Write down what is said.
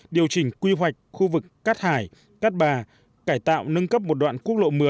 điều chỉnh quy hoạch khu vực cát hải cát bà cải tạo nâng cấp một đoạn quốc lộ một mươi